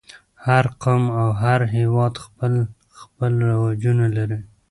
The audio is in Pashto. هر قوم او هر هېواد خپل خپل رواجونه لري.